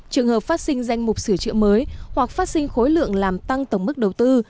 trường hợp phát sinh danh mục sửa chữa mới hoặc phát sinh khối lượng làm tăng tổng mức đầu tư